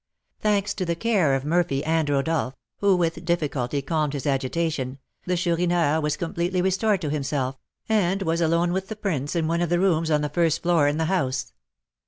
Thanks to the care of Murphy and Rodolph, who with difficulty calmed his agitation, the Chourineur was completely restored to himself, and was alone with the prince in one of the rooms on the first floor in the house.